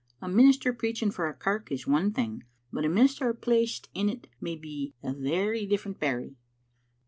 A minister preaching for a kirk is one thing, but a minister placed in't may be a very different berry."